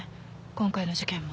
今回の事件も。